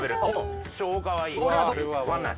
超かわいい。